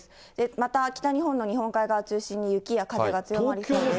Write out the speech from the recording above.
また北日本の日本海側中心に雪や風が強まりそうです。